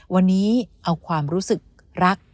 วันนี้เอาความรู้สึกรัก